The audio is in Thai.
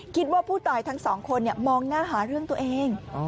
คิดว่าผู้ตายทั้งสองคนมองหน้าหาเรื่องตัวเอง